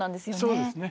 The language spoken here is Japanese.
そうですね。